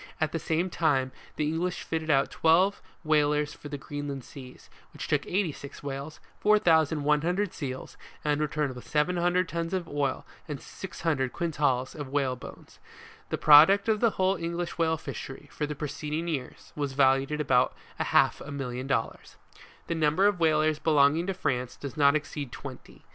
At the same time, the English fitted out twelve whalers for the Greenland seas, which took 86 whales, 4,100 seals, and returned with 700 tons of oil and 600 quintals of whalebone. The product of the whole English whale fishery, for the preceeding year, was valued at about a half a million of dollars. The number of whalers belonging to France does not exceed twenty.